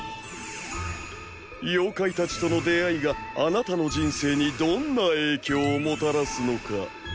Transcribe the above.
妖怪たちとの出会いがあなたの人生にどんな影響をもたらすのか。